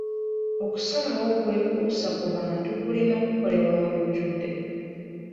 Okusalawo okwekuusa ku bantu kulina kukolebwa mu lujjudde.